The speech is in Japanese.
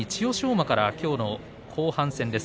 馬からきょうの後半戦です。